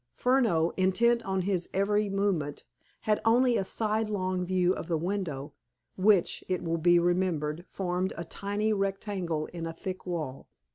Furneaux, intent on his every movement, had only a side long view of the window, which, it will be remembered, formed a tiny rectangle in a thick wall.